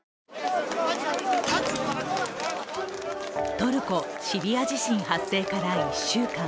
トルコ・シリア地震発生から１週間。